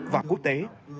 và quốc tế